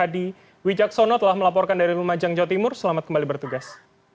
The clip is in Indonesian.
di wijaksono telah melaporkan dari rumah jangjau timur selamat kembali bertugas